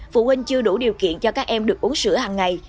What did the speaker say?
phụ huynh chưa đủ điều kiện cho các em được uống sữa hằng ngày